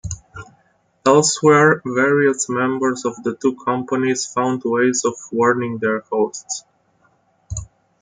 Elsewhere, various members of the two companies found ways of warning their hosts.